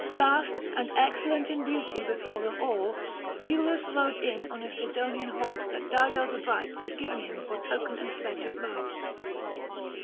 Last and excellent in beauty before them all, Iülus rode in on a Sidonian horse that Dido the bright had given him for token and pledge of love.